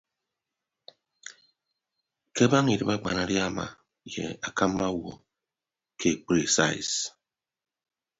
Ke abaña idịb akpanadiama ye akamba awo ke ekpri sais.